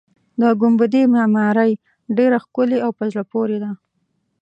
د ګنبدې معمارۍ ډېره ښکلې او په زړه پورې ده.